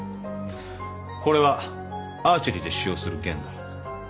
これはアーチェリーで使用する弦だ。